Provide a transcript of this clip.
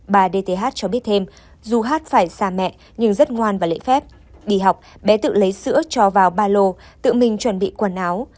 bà dth cho biết thêm dù hát phải xa mẹ nhưng rất ngoan và lễ phép đi học bé tự lấy sữa cho vào ba lô tự mình chuẩn bị quần áo